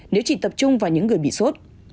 nếu chỉ tập trung vào những người bị sốt